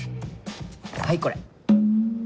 はいこれ。